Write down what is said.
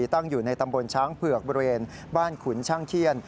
ตั้งอยู่ในตำบลช้างเผือกบริเวณบ้านขุนช่างเขี้ยน